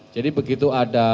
jadi begitu ada